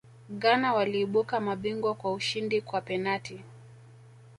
ghana waliibuka mabingwa kwa ushindi kwa penati